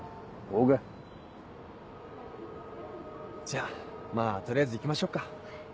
じゃまぁ取りあえず行きましょうか。